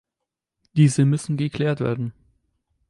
Diese müssen geklärt werden.